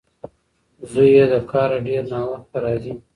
زوی یې له کاره ډېر ناوخته راځي.